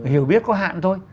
hiểu biết có hạn thôi